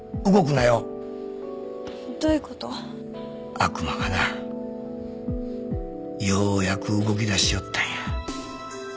悪魔がなようやく動き出しよったんや。